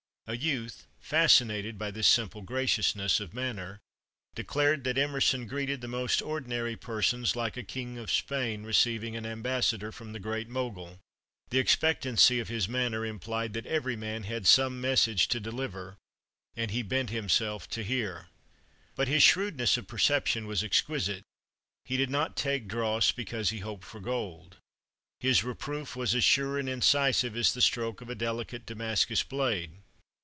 A youth, fascinated by this simple graciousness of manner, declared that Emerson greeted the most ordinary persons like a King of Spain receiving an ambassador from the Great Mogul. The expectancy of his manner implied that every man had some message to deliver, and he bent himself to hear. But his shrewdness of perception was exquisite. He did not take dross because he hoped for gold. His reproof was as sure and incisive as the stroke of a delicate Damascus blade.